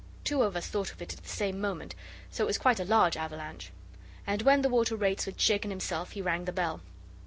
Two of us thought of it at the same moment, so it was quite a large avalanche. And when the Water Rates had shaken himself he rang the bell.